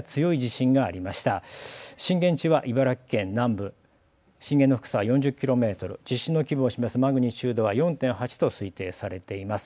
震源地は茨城県南部、震源の深さは４０ｋｍ、地震の規模を示すマグニチュードは４．８と推定されています。